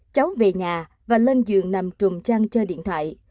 cháu về nhà và lên giường nằm trùm chăn chơi điện thoại